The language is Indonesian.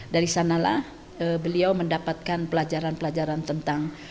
dari sanalah beliau mendapatkan pelajaran pelajaran tentang